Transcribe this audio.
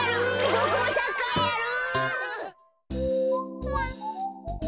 ボクもサッカーやる！